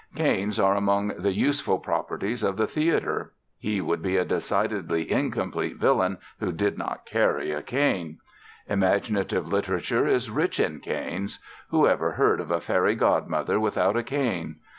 Canes are among the useful properties of the theatre. He would be a decidedly incomplete villain who did not carry a cane. Imaginative literature is rich in canes. Who ever heard of a fairy godmother without a cane?